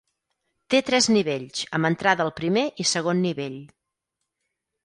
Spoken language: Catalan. Té tres nivells, amb entrada al primer i segon nivell.